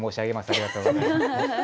ありがとうございます。